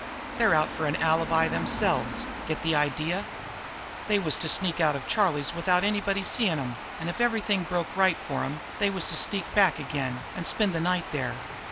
They're out for an alibi themselves. Get the idea? They was to sneak out of Charlie's without anybody seem' 'em, an' if everything broke right for 'em, they was to sneak back again an' spend the night there.